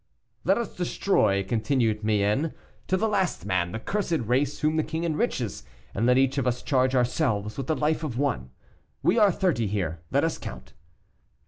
"Let us destroy," continued Mayenne, "to the last man, that cursed race whom the king enriches, and let each of us charge ourselves with the life of one. We are thirty here; let us count."